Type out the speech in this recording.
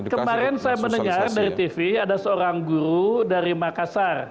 kemarin saya mendengar dari tv ada seorang guru dari makassar